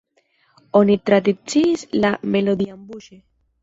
Oni tradiciis la melodian buŝe.